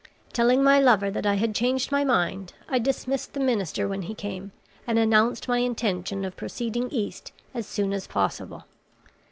Telling my lover that I had changed my mind, I dismissed the minister when he came, and announced my intention of proceeding East as soon as possible.